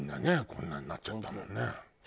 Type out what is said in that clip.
こんなになっちゃったもんね。